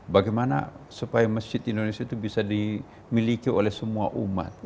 bagaimana supaya masjid indonesia itu bisa dimiliki oleh semua umat